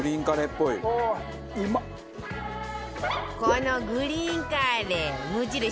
このグリーンカレー無印